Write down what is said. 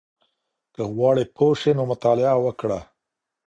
که غواړې پوه شې نو مطالعه وکړه.